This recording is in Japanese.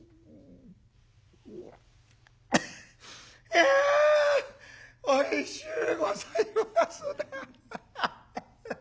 「いやおいしゅうございますな」。